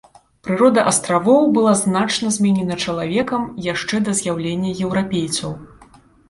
Прырода астравоў была значна зменена чалавекам яшчэ да з'яўлення еўрапейцаў.